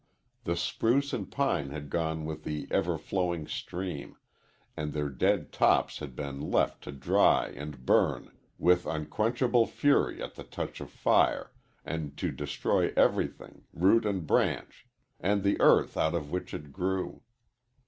The spruce and pine had gone with the ever flowing stream, and their dead tops had been left to dry and burn with unquenchable fury at the touch of fire, and to destroy everything, root and branch, and the earth out of which it grew.